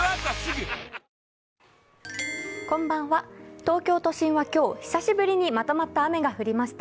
東京都心は今日、久しぶりにまとまった雨が降りました。